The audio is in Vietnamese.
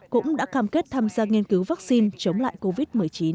cũng đã cam kết tham gia nghiên cứu vaccine chống lại covid một mươi chín